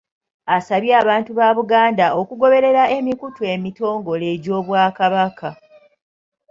Asabye abantu ba Buganda okugoberera emikutu emitongole egy'Obwakabaka